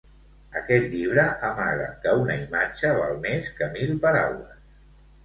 Aquest llibre amaga que una imatge val més que mil paraules.